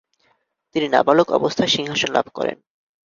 তিনি নাবালক অবস্থায় সিংহাসনলাভ করেন।